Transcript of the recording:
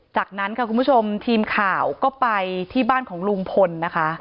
จากนั้นค่ะคุณผู้ชมทีมข่าวก็ไปที่บ้านของลุงพลนะคะ